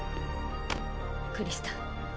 クリスタ。